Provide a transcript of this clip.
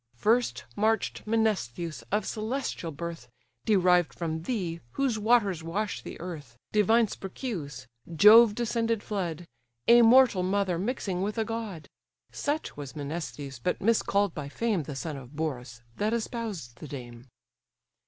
First march'd Menestheus, of celestial birth, Derived from thee, whose waters wash the earth, Divine Sperchius! Jove descended flood! A mortal mother mixing with a god. Such was Menestheus, but miscall'd by fame The son of Borus, that espoused the dame.